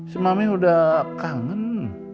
si mami udah kangen